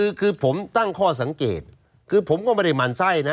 คือคือผมตั้งข้อสังเกตคือผมก็ไม่ได้หมั่นไส้นะ